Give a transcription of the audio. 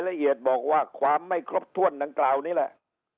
ละเอียดบอกว่าความไม่ครบถ้วนดังกล่าวนี่แหละ